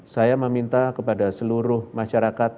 saya meminta kepada seluruh masyarakat